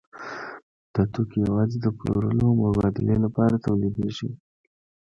دا توکي یوازې د پلورلو او مبادلې لپاره تولیدېږي